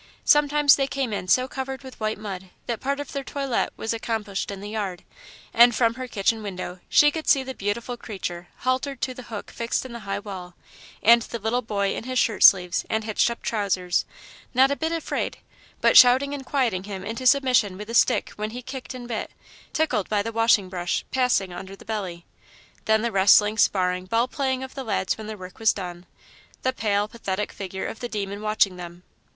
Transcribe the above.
Sometimes they came in so covered with white mud that part of their toilette was accomplished in the yard; and from her kitchen window she could see the beautiful creature haltered to the hook fixed in the high wall, and the little boy in his shirtsleeves and hitched up trousers, not a bit afraid, but shouting and quieting him into submission with the stick when he kicked and bit, tickled by the washing brush passing under the belly. Then the wrestling, sparring, ball playing of the lads when their work was done, the pale, pathetic figure of the Demon watching them.